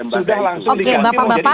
sudah langsung dikasi